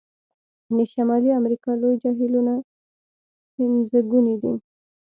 د شمالي امریکا لوی جهیلونه پنځګوني دي.